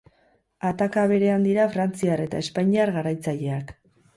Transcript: Ataka berean dira frantziar eta espainiar garatzaileak.